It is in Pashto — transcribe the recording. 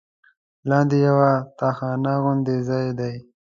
لاندې یوه تاخانه غوندې ځای دی.